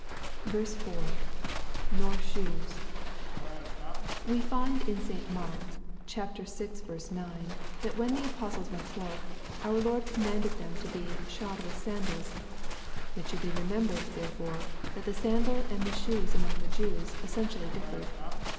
L — [Nor shoes,] We find in St Mark vL 9, that when the apostles went forth, our Lord commanded them to be " shod with sandals." It should be remembered, therefore, that the sandal and the shoes among the Jews, essentially differed.